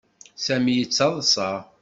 Sami yettaḍsa.